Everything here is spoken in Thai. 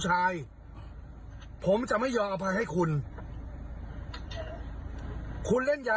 อย่าทำสันตานิสัยแบบนี้กับใครอีกครับ